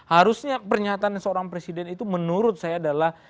harusnya pernyataan seorang presiden itu menurut saya adalah